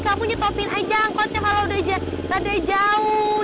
kamu nyetopin aja angkotnya kalau udah jauh